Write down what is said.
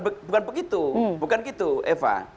bukan begitu bukan gitu eva